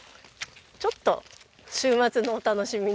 ちょっと週末のお楽しみ。